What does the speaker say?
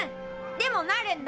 でもなるんだ！